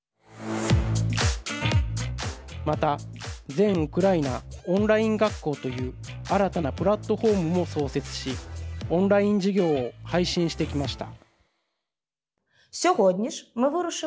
また、全ウクライナ・オンライン学校という新たなプラットフォームも創設しオンライン授業を配信してきました。